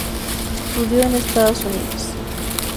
Estudió en Estados Unidos.